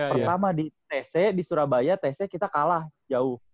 pertama di tc di surabaya testnya kita kalah jauh